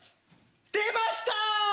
出ました！